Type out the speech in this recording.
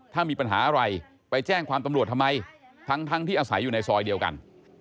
ถ้ามีปัญหาอะไรไปแจ้งความตำรวจทำไมทั้งที่อาศัยอยู่ในซอยเดียวกัน